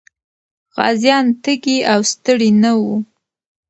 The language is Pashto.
غازيان تږي او ستړي نه وو.